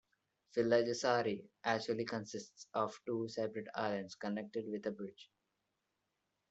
Pihlajasaari actually consists of two separate islands connected with a bridge.